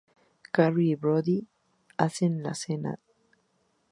Carrie y Brody hacen la cena y tienen sexo de nuevo.